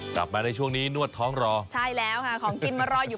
กลับมาในช่วงนี้นวดท้องรอใช่แล้วค่ะของกินมารออยู่